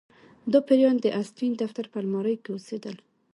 دا پیریان د اسټین د دفتر په المارۍ کې اوسیدل